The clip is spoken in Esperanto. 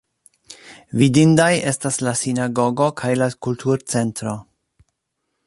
Vidindaj estas la Sinagogo kaj la Kulturcentro.